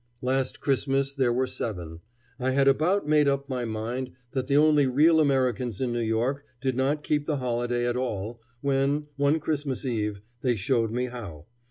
Last Christmas there were seven. I had about made up my mind that the only real Americans in New York did not keep the holiday at all, when, one Christmas eve, they showed me how.